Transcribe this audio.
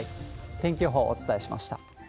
天気予報、お伝えしました。